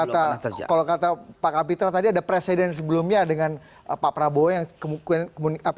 terjadi kalau kata pak kapital tadi ada presiden sebelumnya dengan apa prabowo yang kemungkinan